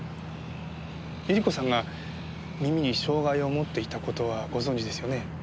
百合子さんが耳に障害を持っていた事はご存じですよね？